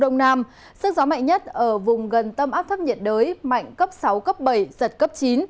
đông nam sức gió mạnh nhất ở vùng gần tâm áp thấp nhiệt đới mạnh cấp sáu cấp bảy giật cấp chín